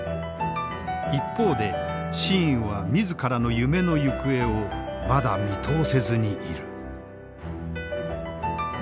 一方で新雨は自らの夢の行方をまだ見通せずにいる。